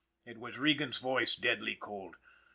" it was Regan's voice, deadly cold.